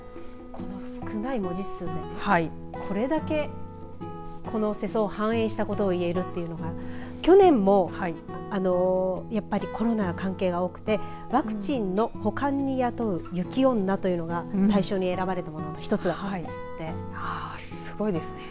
この少ない文字数で、これだけこの世相を反映したことを言えるというのは去年もやっぱりコロナ関係が多くてワクチンの保管にやとう雪女というのが大賞に選ばれたものの１つだったんですね。